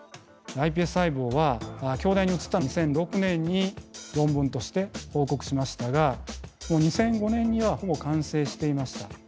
ｉＰＳ細胞は京大に移った２００６年に論文として報告しましたが２００５年にはほぼ完成していました。